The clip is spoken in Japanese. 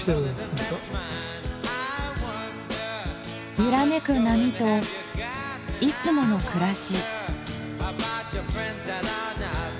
揺らめく波といつもの暮らし。